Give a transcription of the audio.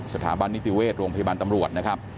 สถาบันนิติเวชโรงพยาบาลตำรวจนะครับ